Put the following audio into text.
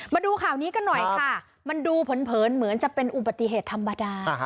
มาดูข่าวนี้กันหน่อยค่ะมันดูเผินเหมือนจะเป็นอุบัติเหตุธรรมดา